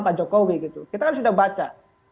pak jokowi gitu kita kan sudah baca